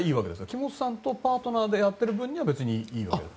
木本さんとパートナーでやってる分にはいい？